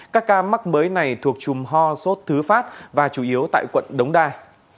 các ca mắc mới này thuộc trùm ho sốt thứ phát và chủ yếu tại quận đống đa